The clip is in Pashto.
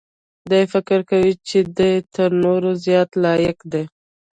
دی فکر کوي چې دی تر نورو زیات لایق دی.